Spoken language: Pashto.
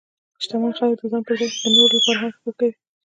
شتمن خلک د ځان پر ځای د نورو لپاره هم فکر کوي.